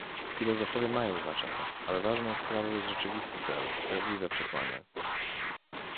Filozofie mają znaczenie, ale ważna sprawą jest rzeczywisty cel, prawdziwe przesłanie